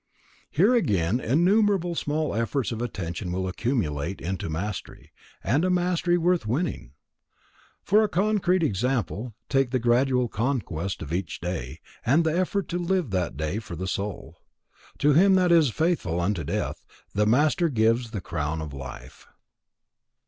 Here again, innumerable small efforts of attention will accumulate into mastery, and a mastery worth winning. For a concrete example, take the gradual conquest of each day, the effort to live that day for the Soul. To him that is faithful unto death, the Master gives the crown of life.